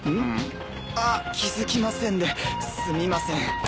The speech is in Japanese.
あっ気付きませんですみません。